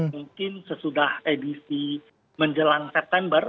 mungkin sesudah edisi menjelang september